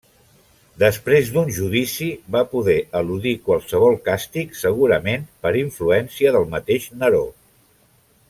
Després d'un judici va poder eludir qualsevol càstig segurament per influència del mateix Neró.